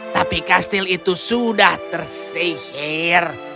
tapi kastil itu sudah tersihir